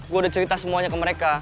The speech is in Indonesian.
gue udah cerita semuanya ke mereka